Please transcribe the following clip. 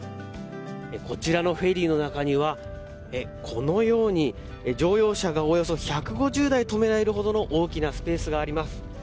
こちらのフェリーの中にはこのように乗用車がおよそ１５０台止められるほどの大きなスペースがあります。